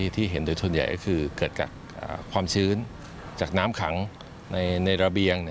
ที่เห็นโดยส่วนใหญ่ก็คือเกิดจากความชื้นจากน้ำขังในระเบียง